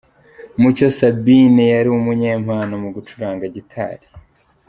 Mucyo Sabine yari umunyempano mu gucuranga gitari.